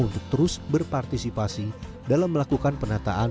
untuk terus berpartisipasi dalam melakukan penataan